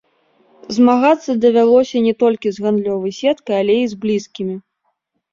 Змагацца давялося не толькі з гандлёвай сеткай, але і з блізкімі.